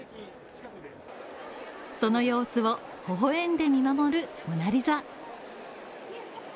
その様子を微笑んで見守るモナリザ。